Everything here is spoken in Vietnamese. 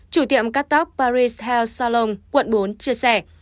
chủ tiệm cắt tóc paris theo salon quận bốn chia sẻ